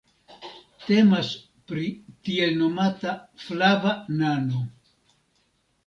Temas pri tiel nomata "flava nano".